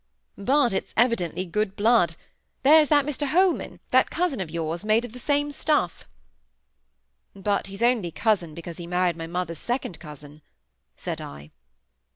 But it's evidently good blood; there's that Mr Holman, that cousin of yours, made of the same stuff" "But he's only cousin because he married my mother's second cousin," said I.